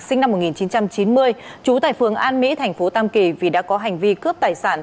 sinh năm một nghìn chín trăm chín mươi trú tại phường an mỹ thành phố tam kỳ vì đã có hành vi cướp tài sản